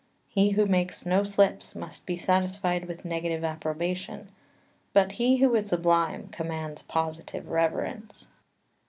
He who makes no slips must be satisfied with negative approbation, but he who is sublime commands positive reverence.